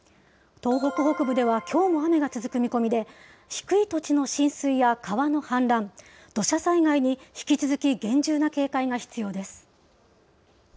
東北北部ではきょうも雨が続く見込みで、低い土地の浸水や川の氾濫、土砂災害に引き続き厳重な警戒が必要です。